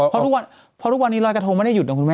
เพราะทุกวันนี้รอยกระโทงไม่ได้หยุดนะคุณแม่